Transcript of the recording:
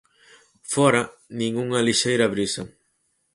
Fóra, nin unha lixeira brisa.